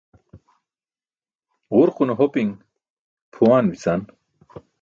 Ġurqune hopiṅ pʰuwaan bi̇can.